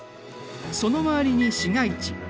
その周りに市街地。